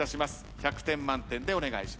１００点満点でお願いします。